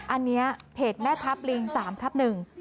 อันนี้เพจแม่ทัพลิงสามทับหนึ่ง